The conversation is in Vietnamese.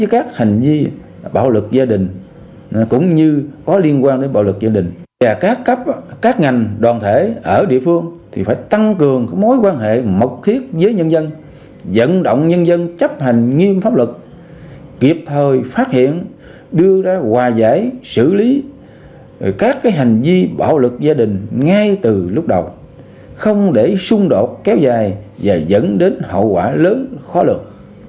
các hành vi bạo lực gia đình cũng như có liên quan đến bạo lực gia đình và các ngành đoàn thể ở địa phương thì phải tăng cường mối quan hệ mật thiết với nhân dân dẫn động nhân dân chấp hành nghiêm pháp luật kịp thời phát hiện đưa ra hòa giải xử lý các hành vi bạo lực gia đình ngay từ lúc đầu không để xung đột kéo dài và dẫn đến hậu quả lớn khó lực